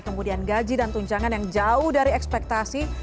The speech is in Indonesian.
kemudian gaji dan tunjangan yang jauh dari ekspektasi